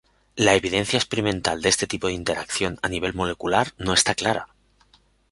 La evidencia experimental de este tipo de interacción a nivel molecular no está clara.